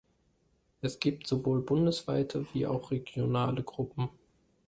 Es gibt sowohl bundesweite wie auch regionale Gruppen.